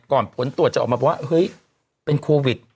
ก่อนผลตรวจจะออกมาเพราะว่าเฮ้ยเป็นโควิด